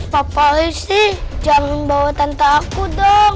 pak polisi jangan bawa tante aku dong